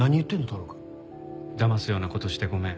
太郎くん。だますような事してごめん。